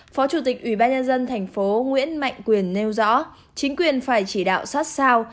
phó chủ tịch ủy ban nhân dân thành phố nguyễn mạnh quyền nêu rõ chính quyền phải chỉ đạo sát sao